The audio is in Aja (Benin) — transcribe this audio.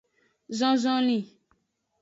Zon zonlin.